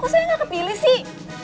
kok saya gak kepilih sih